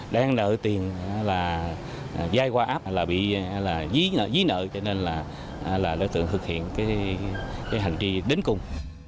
đang nợ tiền là dai qua áp là bị dí nợ cho nên là đối tượng thực hiện cái hành trì đến cùng